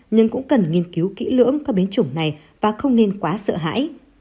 nhưng cũng cần nghiên cứu kỹ lưỡng các biến chủng này và không nên quá sợ hãi